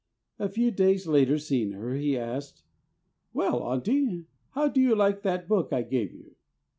A few days later seeing her, he asked, "Well, Auntie, how do you like that book I gave you?"